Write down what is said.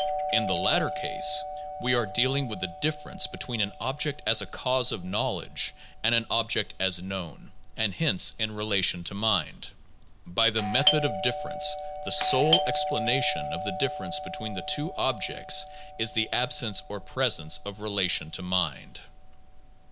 In the latter case, we are dealing with the difference between an object as a cause of knowledge and an object as known, and hence in relation to mind. By the "method of differ ence" the sole explanation of the difference between the two objects is the absence or presence of relation to mind.